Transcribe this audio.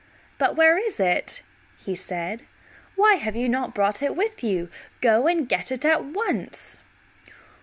"But where is it?" said he. "Why have you not brought it with you? Go and get it at once."